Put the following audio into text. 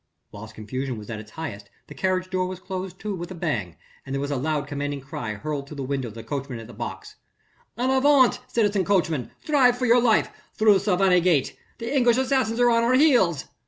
Whilst confusion was at its highest, the carriage door was closed to with a bang and there was a loud, commanding cry hurled through the window at the coachman on his box. "En avant, citizen coachman! Drive for your life! through the Savenay gate. The English assassins are on our heels."